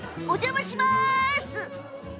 お邪魔します！